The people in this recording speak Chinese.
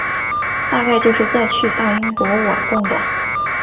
大概就是再去大英博物馆晃晃